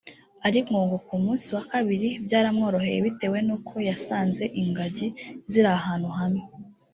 ariko ngo ku munsi wa kabiri byaramworoheye bitewe n’uko yasanze ingagi ziri ahantu hamwe